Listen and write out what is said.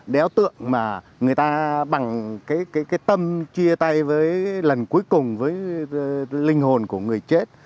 đéo tượng mà người ta bằng cái tâm chia tay với lần cuối cùng với linh hồn của người chết